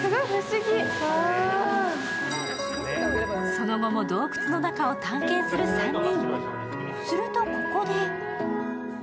その後も洞窟の中を探検する３人。